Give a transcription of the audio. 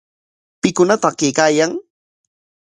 ¿Pikunataq kaykaayan?